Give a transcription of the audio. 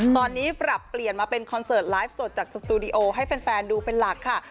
ตอนนี้ปรับเปลี่ยนมาเป็นคอนเสิร์ตไลฟ์สดจากสตูดิโอให้แฟนดูเป็นหลักค่ะ